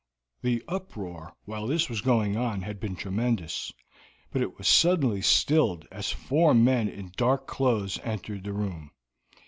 The uproar while this was going on had been tremendous, but it was suddenly stilled as four men in dark clothes entered the room.